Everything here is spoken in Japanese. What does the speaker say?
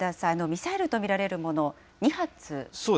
ミサイルと見られるもの、２発？